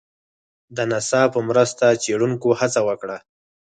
د ناسا په مرسته څېړنکو هڅه وکړه